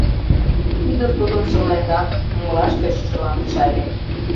Ӱдыр тудым шымленрак, умылаш тӧчышыла ончале.